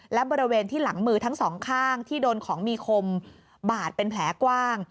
และบริเวณที่หลังมือทั้งสองข้างที่โดนของมีคมบาดเป็นแผลกว้าง